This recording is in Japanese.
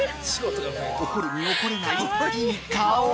［怒るに怒れないいい顔］